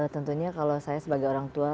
tentunya kalau saya sebagai orang tua